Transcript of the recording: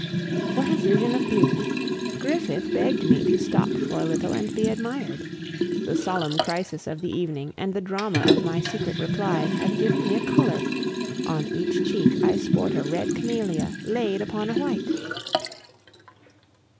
What a vision of beauty! Griffith begged me to stop for a little and be admired. The solemn crisis of the evening and the drama of my secret reply have given me a color; on each cheek I sport a red camellia laid upon a white!